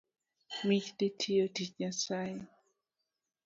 Mich dhi tiyo tich Nyasaye